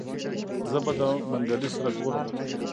زه به د منګلي سره ګورم.